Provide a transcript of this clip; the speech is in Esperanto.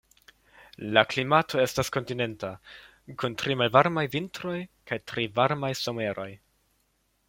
La klimato estas kontinenta kun tre malvarmaj vintroj kaj tre varmaj someroj.